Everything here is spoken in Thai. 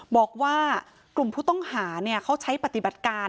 บอกว่ากลุ่มผู้ต้องหาเขาใช้ปฏิบัติการ